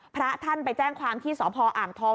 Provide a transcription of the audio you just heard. พระท่านไปแจ้งความที่สพอ่างทอง